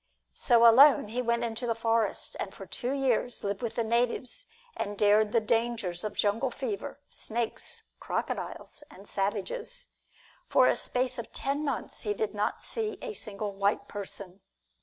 So alone he went into the forests, and for two years lived with the natives and dared the dangers of jungle fever, snakes, crocodiles and savages. For a space of ten months he did not see a single white person.